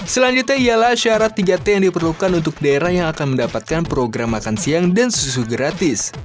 selanjutnya ialah syarat tiga t yang diperlukan untuk daerah yang akan mendapatkan program makan siang dan susu gratis